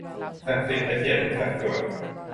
ศักดิ์สิทธิ์ไปเสียทุกสัดส่วน